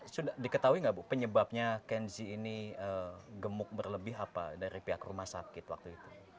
sudah diketahui nggak bu penyebabnya kenzi ini gemuk berlebih apa dari pihak rumah sakit waktu itu